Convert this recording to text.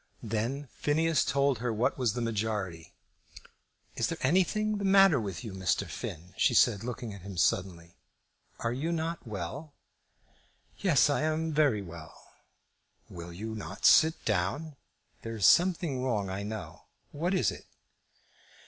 Then Phineas told her what was the majority. "Is there anything the matter with you, Mr. Finn?" she said, looking at him suddenly. "Are you not well?" "Yes; I am very well." "Will you not sit down? There is something wrong, I know. What is it?"